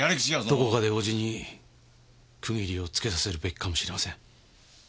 どこかで叔父に区切りをつけさせるべきかもしれません。